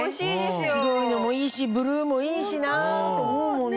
白いのもいいしブルーもいいしなと思うもんね。